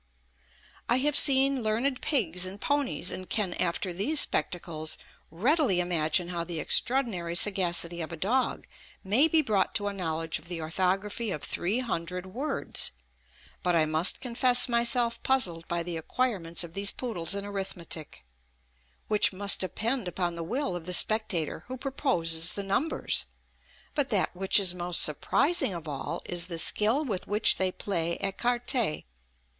"I have seen learned pigs and ponies, and can, after these spectacles, readily imagine how the extraordinary sagacity of a dog may be brought to a knowledge of the orthography of three hundred words; but I must confess myself puzzled by the acquirements of these poodles in arithmetic, which must depend upon the will of the spectator who proposes the numbers; but that which is most surprising of all is the skill with which they play écarté.